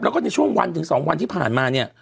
แล้วก็ในช่วงวันถึง๒วันที่ผ่านมาเนี่ย